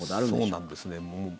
そうなんですね。